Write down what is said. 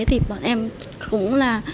thì bọn em cũng là